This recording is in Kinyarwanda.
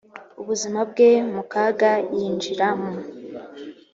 ubuzima bwe mu kaga yinjira mu